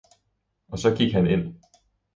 Og så gik han ind.